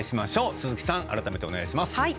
鈴木さん、改めてお願いします。